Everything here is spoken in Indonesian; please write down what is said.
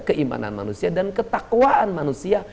keimanan manusia dan ketakwaan manusia